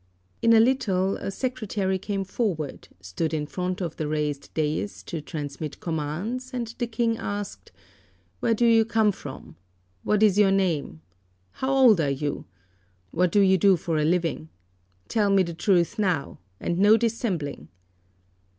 In a little a secretary came forward, stood in front of the raised dais to transmit commands, and the King asked, "Where do you come from? What is your name? How old are you? What do you do for a living? Tell me the truth now, and no dissembling."